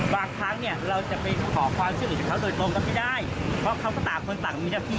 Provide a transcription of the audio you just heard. บางครั้งเนี่ยเราจะไปขอความเชื่อของเขาโดยตรงก็ไม่ได้เพราะเขาก็ตามคนศักดิ์มีทัพที่